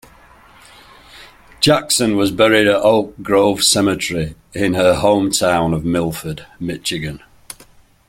Jackson was buried at Oak Grove Cemetery, in her hometown of Milford, Michigan.